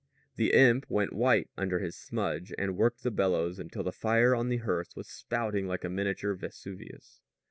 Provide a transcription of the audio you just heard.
The imp went white under his smudge and worked the bellows until the fire on the hearth was spouting like a miniature Vesuvius.